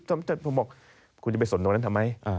แต่ผมบอกคุณจะไปสนตรงนั้นทำไม